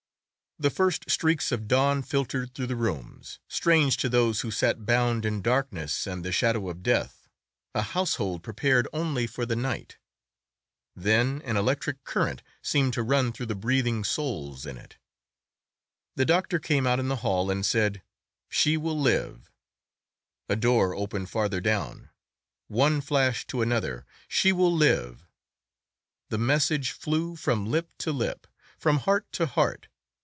The first streaks of dawn filtered through the rooms, strange to those who sat bound in darkness and the shadow of death, a household prepared only for the night. Then an electric current seemed to run through the breathing souls in it. The doctor came out in the hall and said, "She will live!" A door opened farther down—one flashed to another, "She will live!" The message flew from lip to lip, from heart to heart.